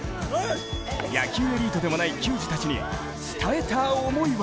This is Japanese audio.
野球エリートでもない球児たちに伝えた思いは